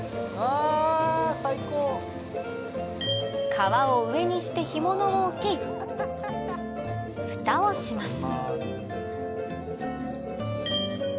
皮を上にして干物を置き蓋をします